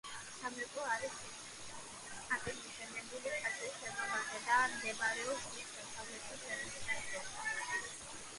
სამრეკლო არის პირდაპირ მიშენებული ტაძრის შენობაზე და მდებარეობს მის დასავლეთის შესასვლელთან.